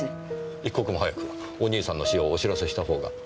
一刻も早くお兄さんの死をお知らせしたほうが。